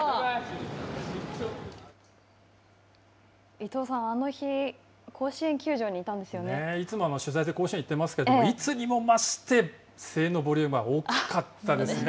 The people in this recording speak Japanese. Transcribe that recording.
伊藤さん、あの日、いつも取材で甲子園に行っていますけど、いつにも増して、声援のボリュームは大きかったですね。